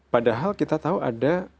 padahal kita tahu akreditasinya